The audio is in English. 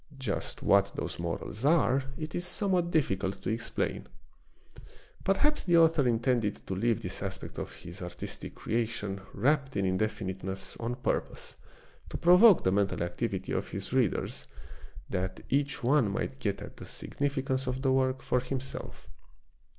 Just what those morals are it is somewhat difficult to explain. Perhaps the author intended to leave this aspect of his artistic creation wrapt in indefiniteness on purpose to provoke the mental activity of his readers, that each one might get at the significance of the work for himself.